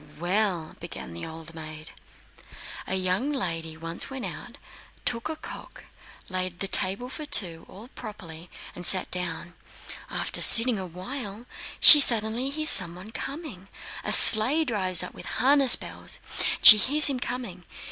"Well," began the old maid, "a young lady once went out, took a cock, laid the table for two, all properly, and sat down. After sitting a while, she suddenly hears someone coming... a sleigh drives up with harness bells; she hears him coming!